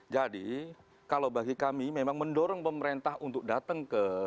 jadi kalau bagi kami memang mendorong pemerintah untuk datang ke